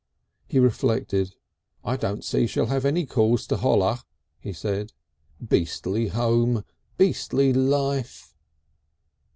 He reflected. "I don't see she'll have any cause to holler," he said. "Beastly Home! Beastly Life!"